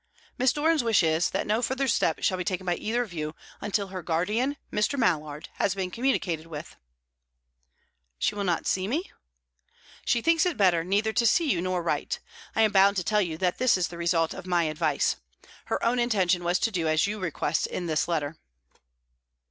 "Miss Doran's wish is, that no further step shall be taken by either of you until her guardian, Mr. Mallard, has been communicated with." "She will not see me?" "She thinks it better neither to see you nor to write. I am bound to tell you that this is the result of my advice. Her own intention was to do as you request in this letter."